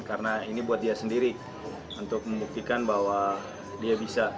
karena ini buat dia sendiri untuk membuktikan bahwa dia bisa